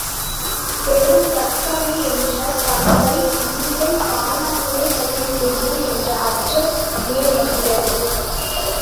பெருந்தகைமை என்ற பண்பை இனிமேல் காணாமலே போய்விடுவோமோ என்ற அச்சம் மேலிடுகிறது.